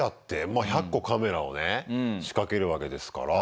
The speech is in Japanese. まあ１００個カメラをね仕掛けるわけですから。